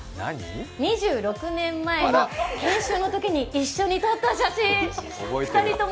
２６年前の研修の時に一緒に撮った写真！